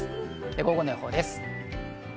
午後の予報です。